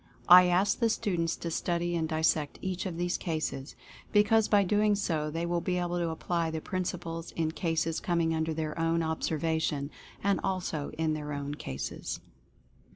I ask the students to study and dissect each of these cases, be cause by so doing they will be able to apply the prin ciples in cases [coming under their own observation, and also in their own cases.